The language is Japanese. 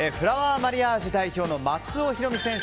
マリアージュ代表の松尾弘美先生